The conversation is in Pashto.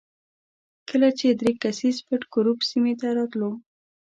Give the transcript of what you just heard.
کله چې درې کسیز پټ ګروپ سیمې ته راتلو.